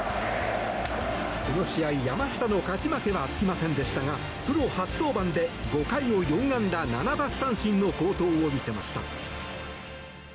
この試合、山下の勝ち負けはつきませんでしたがプロ初登板で５回を４安打７奪三振の好投を見せました。